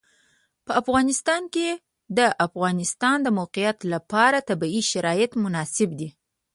په افغانستان کې د د افغانستان د موقعیت لپاره طبیعي شرایط مناسب دي.